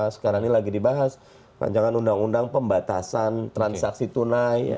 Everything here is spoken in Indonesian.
sekarang ini lagi dibahas rancangan undang undang pembatasan transaksi tunai